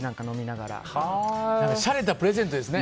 しゃれたプレゼントですね。